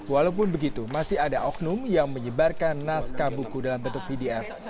walaupun begitu masih ada oknum yang menyebarkan naskah buku dalam bentuk pdf